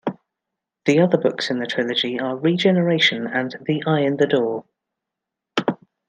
The other books in the trilogy are "Regeneration" and "The Eye in the Door".